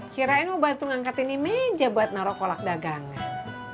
kirain mau bantu ngangkatin di meja buat naro kolak dagangan